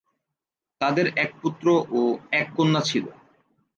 তাদের এক পুত্র ও এক কন্যা ছিল।